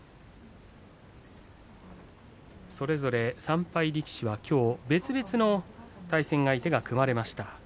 それぞれ３敗力士はきょう別々の対戦相手が組まれました。